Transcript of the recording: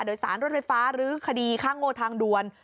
โดยสารรถไฟฟ้าหรือคดีข้างโงทางดวน